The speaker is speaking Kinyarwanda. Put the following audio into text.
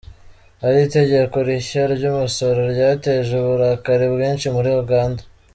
Iri tegeko rishya ry’umusoro ryateje uburakari bwinshi muri Uganda.